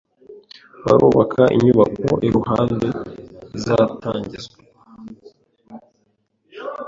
Barubaka inyubako iruhande, izatwangiriza.